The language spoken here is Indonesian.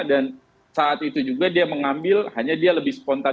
dan saat itu juga dia mengambil hanya dia lebih spontan